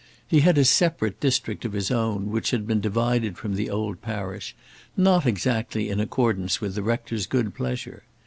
He had a separate district of his own, which had been divided from the old parish, not exactly in accordance with the rector's good pleasure.